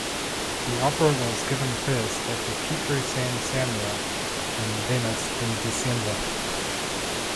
The opera was given first at the Teatro San Samuele in Venice in December.